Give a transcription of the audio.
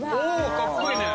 かっこいい。